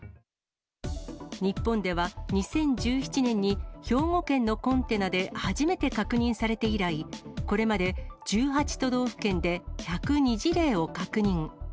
日本では２０１７年に兵庫県のコンテナで初めて確認されて以来、これまで１８都道府県で１０２事例を確認。